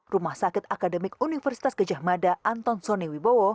rumah sakit akademik universitas gejah mada anton sonewibowo